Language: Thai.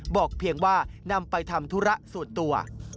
เพียงว่านำไปทำธุระส่วนตัว